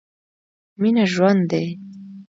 مينه ژوند دی.